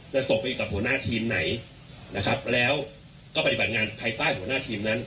ส่งไปอยู่กับหัวหน้าทีมไหนนะครับแล้วก็ปฏิบัติงานภายใต้หัวหน้าทีมนั้น